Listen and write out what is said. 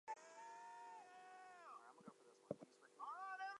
Though she was talented at a number of sports, she settled on cross-country skiing.